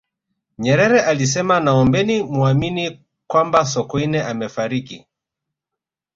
nyerere alisema naombeni muamini kwamba sokoine amefariki